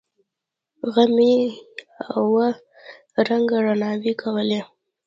غمي اوه رنگه رڼاوې کولې.